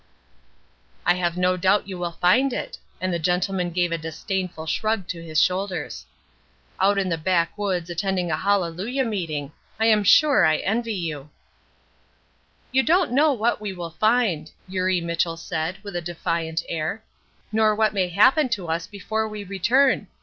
"I have no doubt you will find it," and the gentleman gave a disdainful shrug to his shoulders. "Out in the backwoods attending a hallelujah meeting! I am sure I envy you." "You don't know what we will find," Eurie Mitchell said, with a defiant air. "Nor what may happen to us before we return.